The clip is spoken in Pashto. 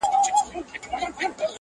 • چي تړلي مدرسې وي د پنجاب د واسکټونو -